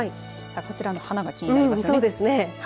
こちらの花が気になりますね。